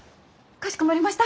かしこまりました。